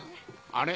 あれ？